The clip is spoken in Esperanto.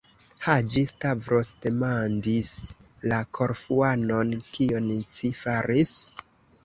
Haĝi-Stavros demandis la Korfuanon: Kion ci faris?